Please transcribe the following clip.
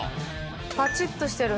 パチッとしてる。